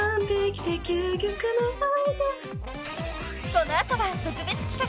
［この後は特別企画］